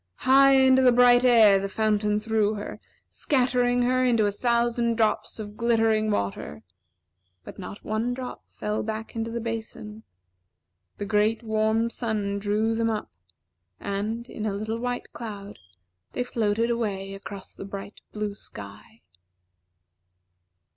High into the bright air the fountain threw her, scattering her into a thousand drops of glittering water; but not one drop fell back into the basin. The great, warm sun drew them up; and, in a little white cloud, they floated away across the bright blue sky.